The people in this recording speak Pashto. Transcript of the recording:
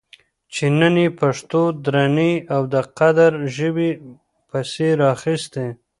چې نن یې پښتو درنې او د قدر ژبې پسې راخیستې